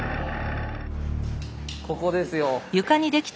ここですよ。